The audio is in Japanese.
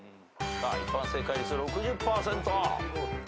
さあ一般正解率６０％。